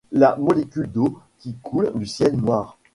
La molécule d’eau qui coule du ciel noir